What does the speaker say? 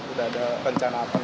sudah ada rencana apa